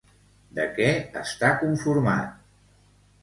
De què està conformat?